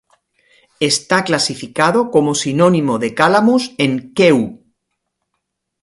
Está clasificado como sinónimo de Calamus en Kew.